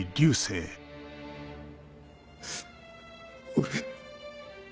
俺。